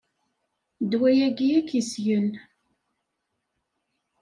Ddwa-agi ad k-issgen.